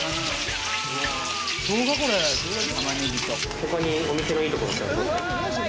他に、お店のいいところってありますか？